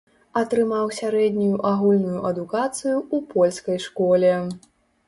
Атрымаў сярэднюю агульную адукацыю ў польскай школе.